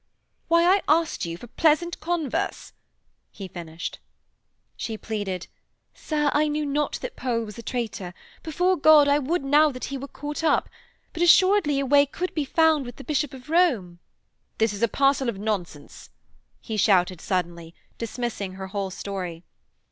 'Why, I asked you for pleasant converse,' he finished. She pleaded: 'Sir, I knew not that Pole was a traitor. Before God, I would now that he were caught up. But assuredly a way could be found with the Bishop of Rome....' 'This is a parcel of nonsense,' he shouted suddenly, dismissing her whole story.